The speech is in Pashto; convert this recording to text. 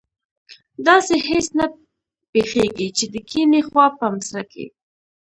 داسې هېڅ نه پیښیږي چې د کیڼي خوا په مصره کې.